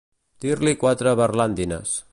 Dir-li quatre berlandines.